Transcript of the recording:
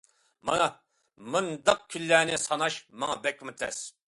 مانا بۇنداق كۈنلەرنى ساناش ماڭا بەكمۇ تەس.